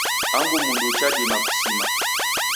Angu mundu uchadima kusima